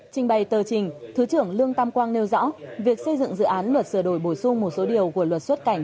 trình bày tờ trình thứ trưởng lương tam quang nêu rõ việc xây dựng dự án luật sửa đổi bổ sung một số điều của luật xuất cảnh